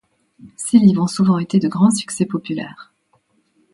Ses livres ont souvent été de grands succès populaires.